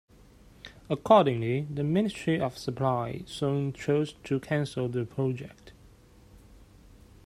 Accordingly, the Ministry of Supply soon chose to cancel the project.